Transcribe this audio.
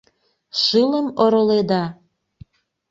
— Шылым ороледа...